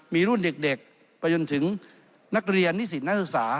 มีรุ่นเด็กไปจนถึงนักเรียนนิสิตนักศึกษา